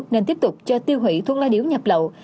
nên tiếp tục cho tiêu hủy thuốc lá điếu nhập lậu